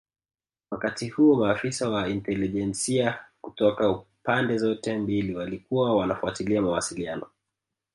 Wakati huo maafisa wa intelijensia kutoka pande zote mbili walikuwa wanafuatilia mawasiliano